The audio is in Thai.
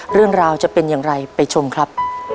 เรื่องราวจะเป็นอย่างไรไปชมครับ